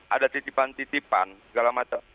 ada titipan titipan segala macam